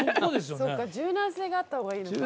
そうか柔軟性があった方がいいのか。